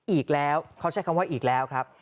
อีกแล้วเขาใช้คำว่าอีกแล้วครับ